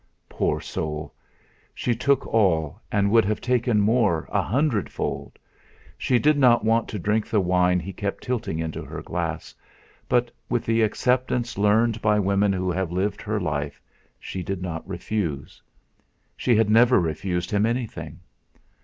Poor soul she took all, and would have taken more, a hundredfold. She did not want to drink the wine he kept tilting into her glass, but, with the acceptance learned by women who have lived her life, she did not refuse. She had never refused him anything.